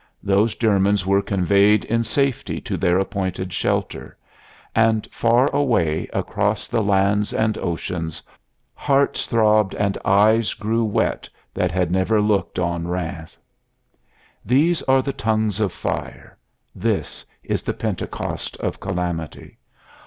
Those Germans were conveyed in safety to their appointed shelter and far away, across the lands and oceans, hearts throbbed and eyes grew wet that had never looked on Rheims. These are the tongues of fire; this is the Pentecost of Calamity.